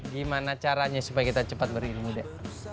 gimana caranya supaya kita cepat berilmu deh